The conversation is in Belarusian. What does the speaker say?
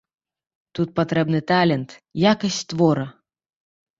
Тут патрэбны талент, якасць твора.